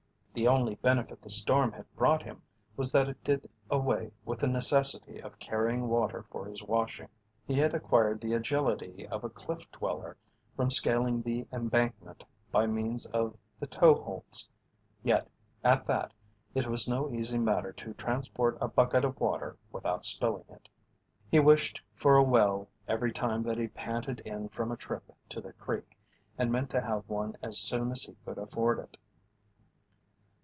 The only benefit the storm had brought him was that it did away with the necessity of carrying water for his washing. He had acquired the agility of a cliff dweller from scaling the embankment by means of the "toe holts"; yet, at that, it was no easy matter to transport a bucket of water without spilling it. He wished for a well every time that he panted in from a trip to the creek, and meant to have one as soon as he could afford it.